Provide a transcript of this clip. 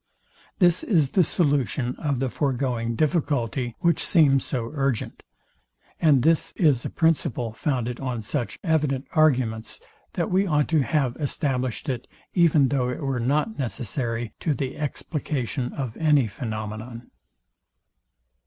This is the solution of the foregoing difficulty, which seems so urgent; and this is a principle founded on such evident arguments, that we ought to have established it, even though it were not necessary to the explication of any phænomenon.